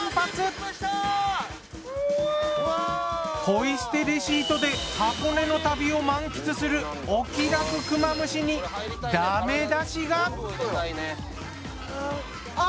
ポイ捨てレシートで箱根の旅を満喫するお気楽クマムシにだめだしが！